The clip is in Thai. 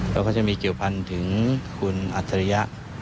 แล้วก็จะมีเกี่ยวพันธุ์ถึงคุณอัจฉริยะ